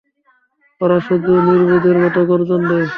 ওরা শুধু নির্বোধের মতো গর্জন দেয়।